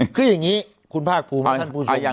คือยังงี้คุณภาคภูมิท่านผู้ชม